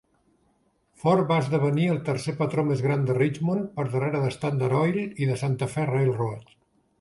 Ford va esdevenir el tercer patró més gran de Richmond, per darrere de Standard Oil i de Santa Fe Railroad.